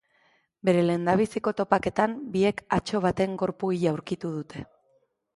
Bere lehendabiziko topaketan biek atso baten gorpu hila aurkitu dute.